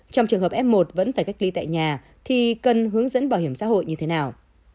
trong trường hợp f một vẫn phải cách ly tại nhà thì cần hướng dẫn bảo hiểm xã hội như thế nào